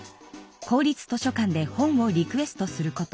公立図書館で本をリクエストすること。